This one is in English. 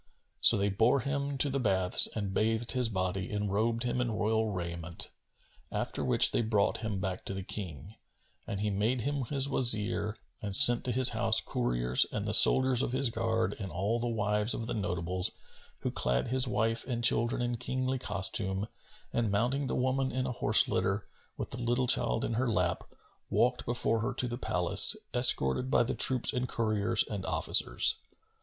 So they bore him to the Baths and bathed his body and robed him in royal raiment, after which they brought him back to the King, and he made him his Wazir and sent to his house couriers and the soldiers of his guard and all the wives of the notables, who clad his wife and children in Kingly costume and mounting the woman in a horse litter, with the little child in her lap, walked before her to the palace, escorted by the troops and couriers and officers.